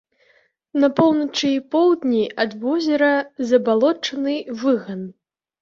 На поўначы і поўдні ад возера забалочаны выган.